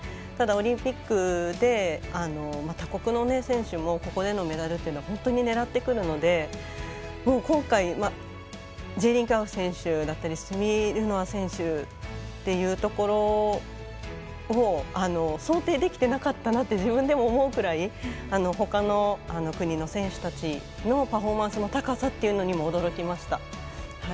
ただ、オリンピックで他国の選手もここでのメダルというのを本当に狙ってくるので今回ジェーリン・カウフ選手だったりスミルノワ選手っていうところを想定できていなかったなって自分でも思うぐらいほかの国の選手たちのパフォーマンスの高さっていうのにも驚きました。